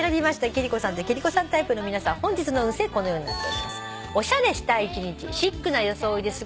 貴理子さんと貴理子さんタイプの皆さんは本日の運勢このようになっております。